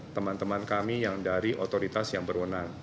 teman teman kami yang dari otoritas yang berwenang